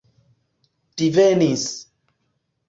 divenis